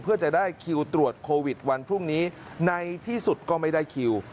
เพื่อจะได้คิวตรวจโควิดวันพรุ่งนี้ในที่สุดก็ไม่ได้คิว